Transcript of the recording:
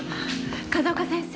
風丘先生。